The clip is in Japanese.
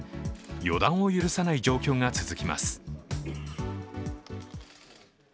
予断を許さない状況が続きます。